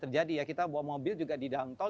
terjadi ya kita bawa mobil juga di dalam tol